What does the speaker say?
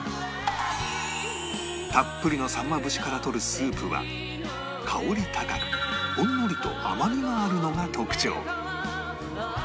たっぷりのさんま節から取るスープは香り高くほんのりと甘みがあるのが特徴